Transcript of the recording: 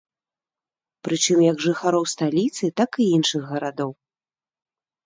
Прычым як жыхароў сталіцы, так і іншых гарадоў.